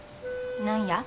何や？